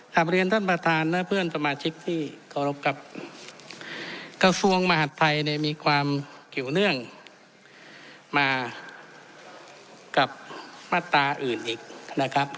หลับเรียนต้นประธานและเพื่อนประมาชิกที่รบกับกระทรวงมหัสไทยในมีความเกี่ยวเนื่องมากับมาตราอื่นอีกนะครับ